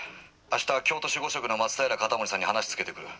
明日京都守護職の松平容保さんに話つけてくる。